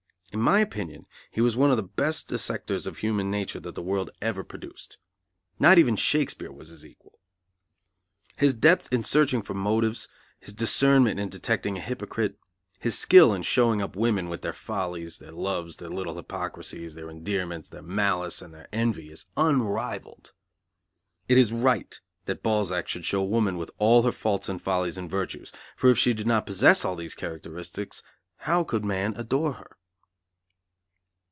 In my opinion he was one of the best dissectors of human nature that the world ever produced. Not even Shakespeare was his equal. His depth in searching for motives, his discernment in detecting a hypocrite, his skill in showing up women, with their follies, their loves, their little hypocrisies, their endearments, their malice and their envy is unrivalled. It is right that Balzac should show woman with all her faults and follies and virtues, for if she did not possess all these characteristics, how could man adore her?